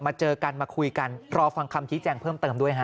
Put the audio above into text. เจอกันมาคุยกันรอฟังคำชี้แจงเพิ่มเติมด้วยฮะ